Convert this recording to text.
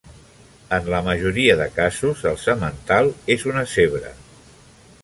En la majoria de casos, el semental és una zebra.